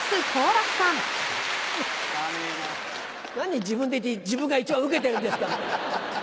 何自分で言って自分が一番ウケてるんですか。